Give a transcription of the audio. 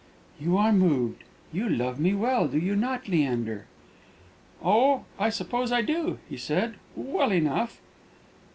"You are moved. You love me well, do you not, Leander?" "Oh! I suppose I do," he said "well enough."